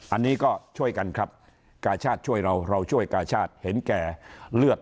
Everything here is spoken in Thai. อันนี้ก็ช่วยกันครับกาชาติช่วยเราเราช่วยกาชาติเห็นแก่เลือด